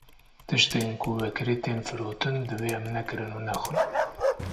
Tiştên ku vekirî tên firotin divê em nekirin û nexwin.